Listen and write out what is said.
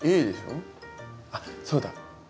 あっそうだ。